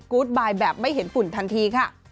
ู๊ดบายแบบไม่เห็นฝุ่นทันทีค่ะ